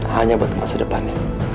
hanya buat masa depannya